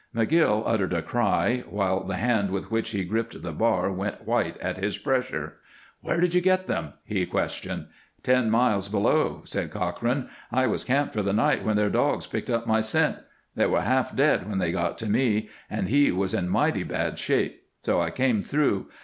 McGill uttered a cry, while the hand with which he gripped the bar went white at his pressure. "Where did you get them?" he questioned. "Ten miles below," said Cochrane. "I was camped for the night when their dogs picked up my scent. They were half dead when they got to me, and he was in mighty bad shape, so I came through.